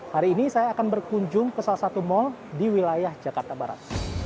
hari ini saya akan berkunjung ke salah satu mal di wilayah jakarta barat